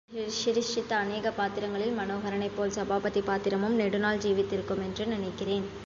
நான் எனது சிற்றறிவைக்கொண்டு சிருஷ்டித்த அநேக பாத்திரங்களில், மனோஹரனைப் போல் சபாபதி பாத்திரமும் நெடுநாள் ஜீவித்திருக்குமென நினைக்கிறேன்.